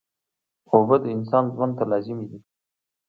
اوبه د انسان ژوند ته لازمي دي